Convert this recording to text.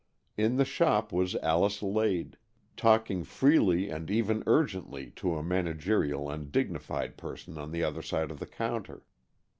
In the shop was Alice Lade, talking freely and even urgently to a managerial and dignified person on the other side of the counter.